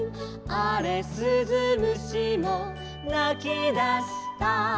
「あれすず虫もなきだした」